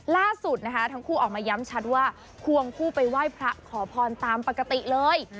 ล่าสุดนะคะทั้งคู่ออกมาย้ำชัดว่าควงคู่ไปไหว้พระขอพรตามปกติเลย